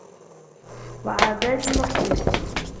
وَعَادَاتِ وَقْتِهِ